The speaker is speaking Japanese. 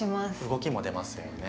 動きも出ますよね。